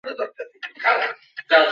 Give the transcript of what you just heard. কিন্তু অহংকার জিনিসটা কি?